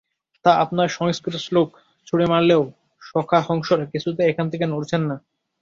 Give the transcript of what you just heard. তা, আপনার সংস্কৃত শ্লোক ছুঁড়ে মারলেও সখা হংসরা কিছুতেই এখান থেকে নড়ছেন না।